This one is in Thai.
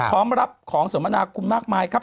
พร้อมรับของสมนาคุณมากมายครับ